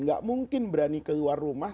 gak mungkin berani keluar rumah